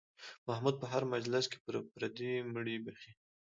محمود په هر مجلس کې پردي مړي بښي.